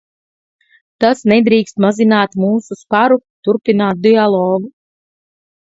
Tas nedrīkst mazināt mūsu sparu turpināt dialogu.